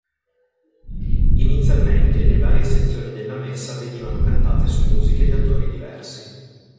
Inizialmente le varie sezioni della messa venivano cantate su musiche di autori diversi.